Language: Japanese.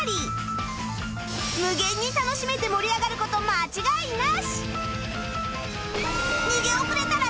無限に楽しめて盛り上がる事間違いなし！